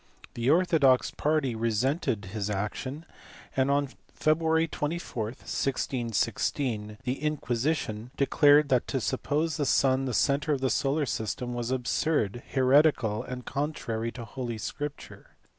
The orthodox party resented his action, and on Feb. 24, 1616, the Inquisition declared that to suppose the sun the centre of the solar system was absurd, heretical, and contrary to Holy Scripture.